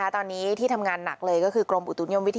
ตอนนี้ที่ทำงานหนักเลยก็คือกรมอุตุนิยมวิทยา